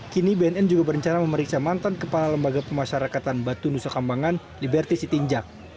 kini bnn juga berencana memeriksa mantan kepala lembaga pemasyarakatan batu nusa kambangan liberty sitinjak